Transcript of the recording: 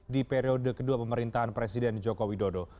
di periode kedua pemerintahan presiden joko widodo